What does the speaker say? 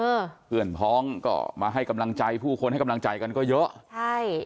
เพื่อนพ้องก็มาให้กำลังใจผู้คนให้กำลังใจกันก็เยอะใช่